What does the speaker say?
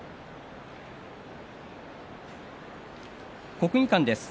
国技館です。